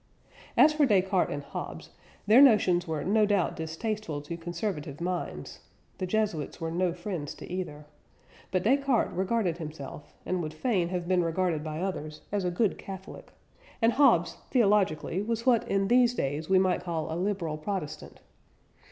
As for Descartes and Hobbes, their notions were no doubt distasteful to conservative minds (the Jesuits were no friends to either), but Descartes regarded himself, and would fain have been regarded by others, as a good Catholic; and Hobbes, theologically, was what in these days we might call a Liberal Protestant.